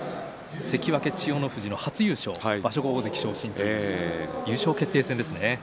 関脇千代の富士の初優勝場所後、大関昇進優勝決定戦ですね。